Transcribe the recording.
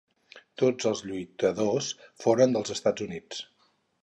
Tots els lluitadors foren dels Estats Units.